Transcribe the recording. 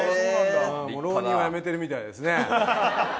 もう浪人はやめてるみたいですね。